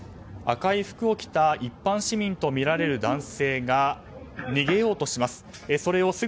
赤い服を着た一般市民とみられる男性が逃げようとします。